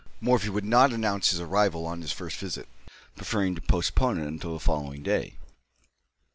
Morphy would not announce his arrival on his first visit, preferring to postpone it until the following day.